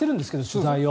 取材を。